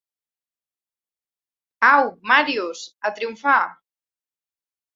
Au, Màrius, a triomfar!